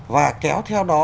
và kéo theo đó